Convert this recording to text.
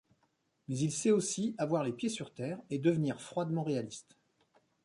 Mais il sait aussi avoir les pieds sur terre et devenir froidement réaliste.